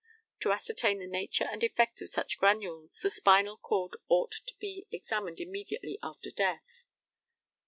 To ascertain the nature and effect of such granules the spinal cord ought to be examined immediately after death.